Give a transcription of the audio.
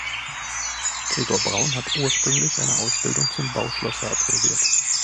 Gregor Braun hat ursprünglich eine Ausbildung zum Bauschlosser absolviert.